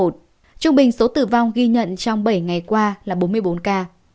trung bình số tử vong ghi nhận trong bảy ngày qua là bốn mươi bốn ca